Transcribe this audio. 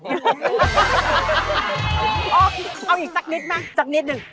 พี่เอาอีกจักรนิดไหมจักรนิดหนึ่ง